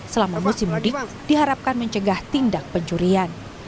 selama musim mudik diharapkan mencegah tindak pencurian